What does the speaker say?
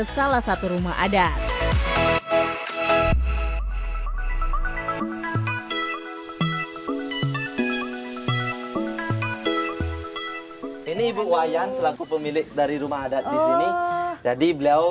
salah satu rumah adat ini ibu wayan selaku pemilik dari rumah adat disini jadi beliau